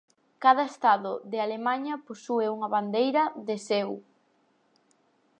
Cada estado de Alemaña posúe unha bandeira de seu.